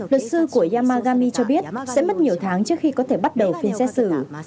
luật sư của yamagami cho biết sẽ mất nhiều tháng trước khi có thể bắt đầu phiên xét xử